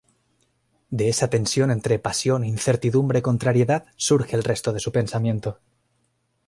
De esa tensión entre pasión-incertidumbre-contrariedad surge el resto de su pensamiento.